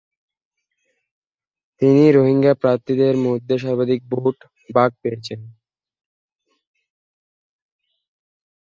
তিনি রোহিঙ্গা প্রার্থীদের মধ্যে সর্বাধিক ভোট ভাগ পেয়েছেন।